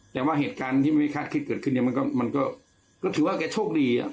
แต่ว่าเหตุการณ์ที่ไม่คาดคิดเกิดขึ้นเนี่ยมันก็ถือว่าแกโชคดีอ่ะ